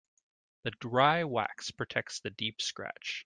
The dry wax protects the deep scratch.